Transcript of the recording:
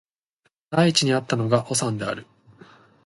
第一に逢ったのがおさんである